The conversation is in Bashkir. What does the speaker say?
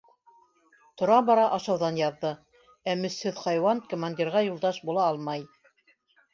Тора-бара ашауҙан яҙҙы, ә мөсһөҙ хайуан командирға юлдаш була алмай...